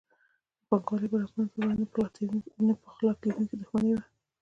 د پانګوالۍ بلاکونو ترمنځ نه پخلاکېدونکې دښمني وه.